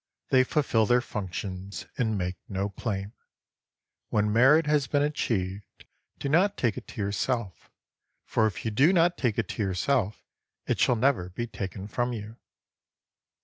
They fulfil their functions and make no claim. When merit has been achieved, do not take it to yourself ; for if you do not take it to yourself, it shall never be taken from you.